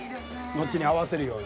後に合わせるように。